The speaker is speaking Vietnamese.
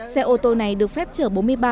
xe ô tô này được phép chở bốn mươi ba